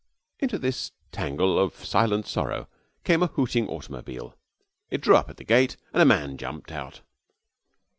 Into this tangle of silent sorrow came a hooting automobile. It drew up at the gate and a man jumped out.